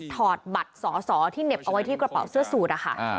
ถอดบัตรสอสอที่เหน็บเอาไว้ที่กระเป๋าเสื้อสูตรนะคะ